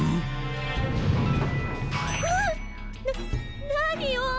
な何よ。